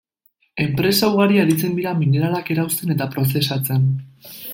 Enpresa ugari aritzen dira mineralak erauzten eta prozesatzen.